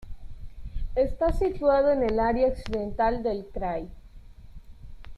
Está situado en el área occidental del "krai".